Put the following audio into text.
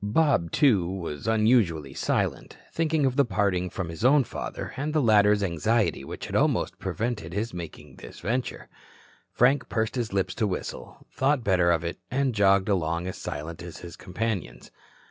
Bob, too, was unusually silent, thinking of the parting from his own father and the latter's anxiety which almost had prevented his making this venture. Frank pursed his lips to whistle, thought better of it, and jogged along as silent as his companions.